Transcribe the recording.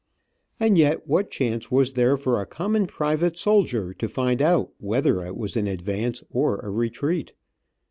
And yet what chance was there for a common private soldier to find out whether it was an advance or a retreat.